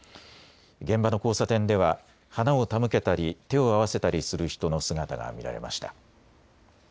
現場の交差点では花を手向けたり手を合わせたりする人の姿が見られました。